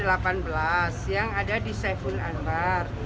ada delapan belas yang ada di saiful anwar